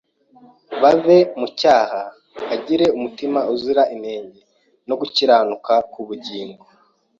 bave mu cyaha bagire umutima uzira inenge no gukiranuka k’ubugingo.